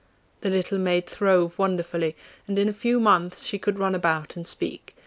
The little maid throve wonderfully, and in a few months she could run about and speak.